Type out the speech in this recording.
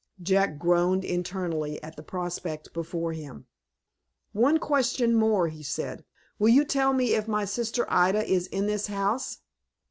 Jack groaned internally at the prospect before him. "One question more," he said, "will you tell me if my sister Ida is in this house?"